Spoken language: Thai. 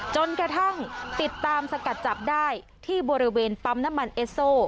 จนกระทั่งติดตามสกัดจับได้ที่บริเวณปั๊มน้ำมันเอสโซ